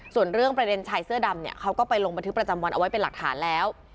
ส่วนเรื่องประเด็นชายเสื้อดำเนี่ยเขาก็ไปลงบันทึกประจำวันเอาไว้เป็นหลักฐานแล้ว